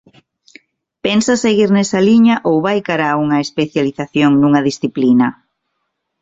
Pensa seguir nesa liña ou vai cara a unha especialización nunha disciplina?